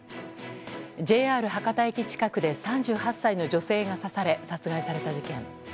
ＪＲ博多駅近くで３８歳の女性が刺され殺害された事件。